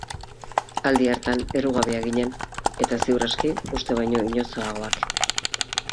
Aldi hartan errugabeak ginen, eta ziur aski uste baino inozoagoak.